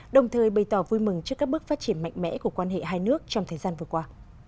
đồng thời bày tỏ vui mừng trước các bước phát triển mạnh mẽ của quan hệ hai nước trong thời gian vừa qua